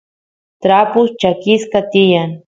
trapus chakisqa tiyan